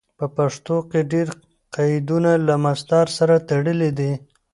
په پښتو کې ډېر قیدونه له مصدر سره تړلي دي.